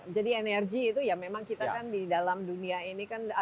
jadi energi itu ya memang kita kan di dalam dunia ini kan ada yang berpengaruh